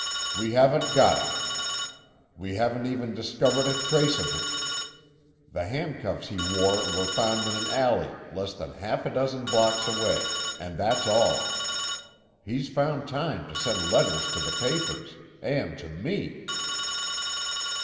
We haven't got him. We haven't even discovered a trace of him. The handcuffs he wore were found in an alley less than half a dozen blocks away—and that's all. He's found time to send letters to the papers—and to me."